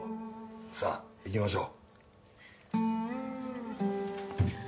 さぁ行きましょう。